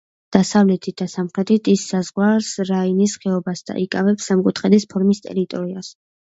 დასავლეთით და სამხრეთით ის საზღვრავს რაინის ხეობას და იკავებს სამკუთხედის ფორმის ტერიტორიას.